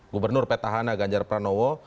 gubernur petahana ganjar pranowo